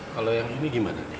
kalau yang ini gimana